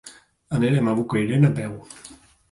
Anirem a Bocairent a peu.